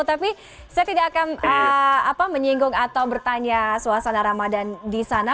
tapi saya tidak akan menyinggung atau bertanya suasana ramadan di sana